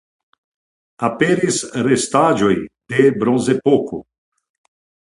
Aperis restaĵoj de Bronzepoko.